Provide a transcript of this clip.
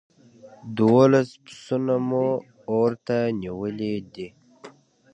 دوولس پسونه مو اور ته نيولي دي.